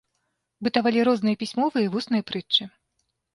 Бытавалі розныя пісьмовыя і вусныя прытчы.